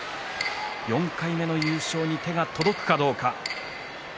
４回目の優勝に手が届くかどうか。